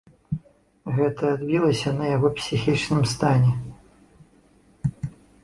Гэта адбілася на яго псіхічным стане.